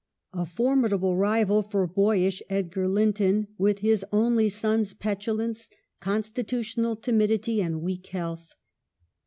A. formidable rival for boyish Edgar Linton, with his only son's petulance, constitutional timidity, and weak health.